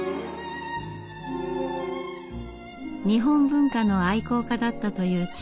日本文化の愛好家だったという父。